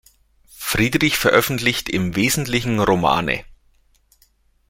Friedrich veröffentlicht im Wesentlichen Romane.